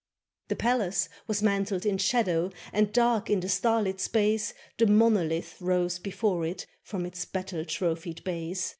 The palace was mantled in shadow, And, dark in the starlit space. The monolith rose before it From its battle trophied base.